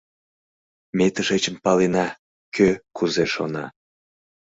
Ме тышечын палена, кӧ кузе шона.